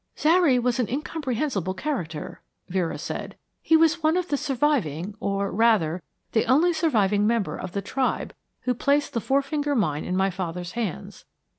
"Zary was an incomprehensible character," Vera said. "He was one of the surviving, or, rather, the only surviving member of the tribe who placed the Four Finger Mine in my father's hands.